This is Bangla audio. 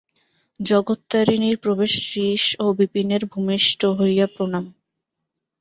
জগত্তারিণীর প্রবেশ শ্রীশ ও বিপিনের ভূমিষ্ঠ হইয়া প্রণাম।